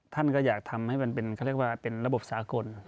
ท่านก็อยากทำให้มันเป็นเขาเรียกว่าเป็นระบบสากล